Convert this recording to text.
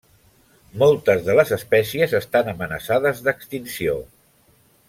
Moltes de les espècies estan amenaçades d'extinció.